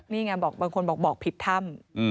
นี่ไงบอกบางคนบอกบอกผิดถ้ำ